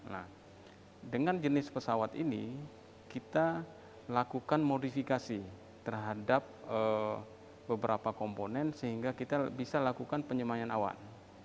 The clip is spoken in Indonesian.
nah dengan jenis pesawat ini kita melakukan modifikasi terhadap beberapa komponen sehingga kita bisa lakukan penyemayan awan